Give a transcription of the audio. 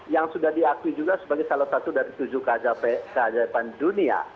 yang sudah diakui juga sebagai salah satu dari tujuh keajaiban dunia